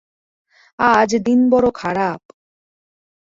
আজ দিন বড় খারাপ।